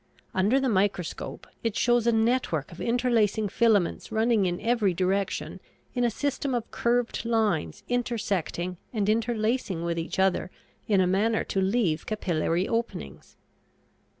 Under the microscope it shows a network of interlacing filaments running in every direction in a system of curved lines intersecting and interlacing with each other in a manner to leave capillary openings.